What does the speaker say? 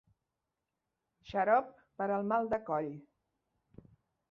Xarop per al mal de coll.